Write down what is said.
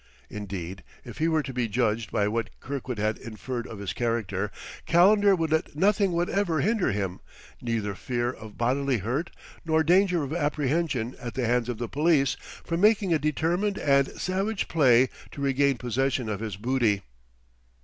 Indeed, if he were to be judged by what Kirkwood had inferred of his character, Calendar would let nothing whatever hinder him, neither fear of bodily hurt nor danger of apprehension at the hands of the police, from making a determined and savage play to regain possession of his booty.